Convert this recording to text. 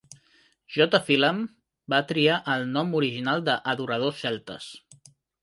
J. Phelan va triar el nom original "Adoradors celtes".